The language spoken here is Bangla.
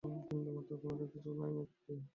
বিন্দু তো কোনোদিন কিছু বলে নাই মুখ ফুটিয়া।